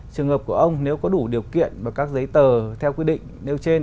trường hợp của ông nếu có đủ điều kiện và các giấy tờ theo quy định nêu trên